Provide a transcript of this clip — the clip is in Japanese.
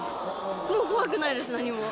もう怖くないです何も。